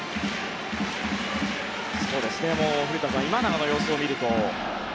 古田さん、今永の様子を見ると。